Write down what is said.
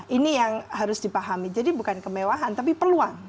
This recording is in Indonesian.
ini yang harus dipahami jadi bukan kemewahan tapi peluang